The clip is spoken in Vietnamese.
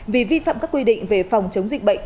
vì vi phạm các quy định về phòng chống dịch bệnh